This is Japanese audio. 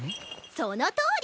そのとおり！